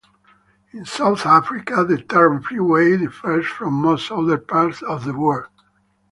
In South Africa, the term "freeway" differs from most other parts of the world.